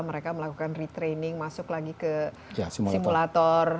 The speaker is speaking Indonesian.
mereka melakukan retraining masuk lagi ke simulator